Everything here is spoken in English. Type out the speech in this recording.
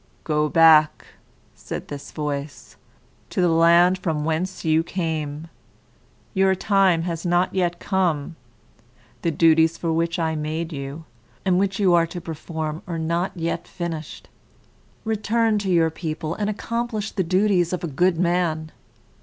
"Go back," said this voice, "to the land from whence you came. Your time has not yet come. The duties for which I made you, and which you are to perform, are not yet finished. Return to your people, and accomplish the duties of a good man.